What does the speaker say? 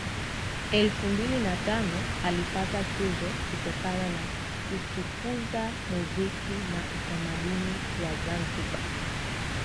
elfu mbili na tano alipata tuzo kutokana na kutukuza muziki na utamaduni wa Zanzibar